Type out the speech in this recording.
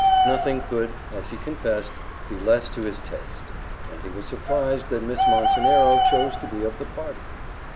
Nothing could, as he confessed, be less to his taste; and he was surprised that Miss Montenero chose to be of the party.